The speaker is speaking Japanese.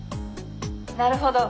「なるほど。